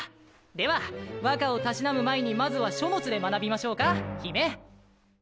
では和歌を嗜む前にまずは書物で学びましょうか姫。